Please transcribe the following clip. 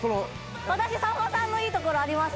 私さんまさんのいいところあります。